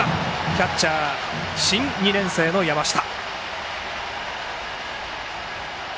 キャッチャーは新２年生の山下。